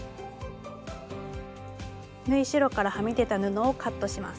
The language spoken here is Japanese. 縫い代からはみ出た布をカットします。